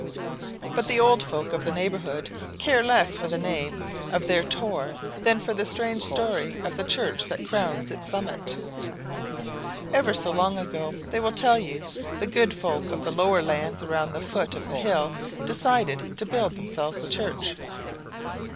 But the old folk of the neighbourhood care less for the name of their Tor than for the strange story of the church that crowns its summit. Ever so long ago, they will tell you, the good folk of the lower lands around the foot of the hill decided to build themselves a church.